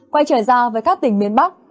quay trở ra với các tỉnh miền bắc